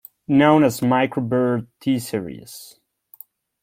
Known as Micro Bird T-Series.